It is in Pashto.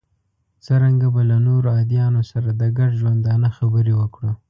څرنګه به له نورو ادیانو سره د ګډ ژوندانه خبرې وکړو.